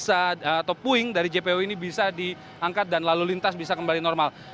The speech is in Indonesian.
atau puing dari jpo ini bisa diangkat dan lalu lintas bisa kembali normal